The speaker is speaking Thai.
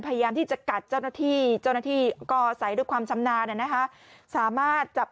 พยายามที่จะกัดเจ้าหน้าที่เจ้าหน้าที่ก็ใส่ด้วยความชำนาญสามารถจับ